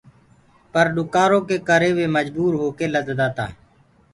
پر ڏُڪآرو ڪي ڪري وي مجبوٚر هوڪي لدتآ تا۔